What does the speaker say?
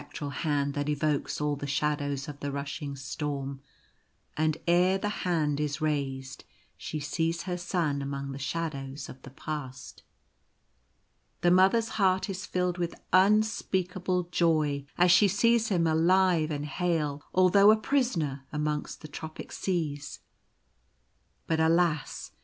tral hand that evokes all the shadows of the rushing storm, and ere the hand is raised she sees her Son among the Shadows of the Past. The Mother's heart is filled with unspeakable joy, as she sees him alive and hale, although a prisoner amongst the tropic seas. But alas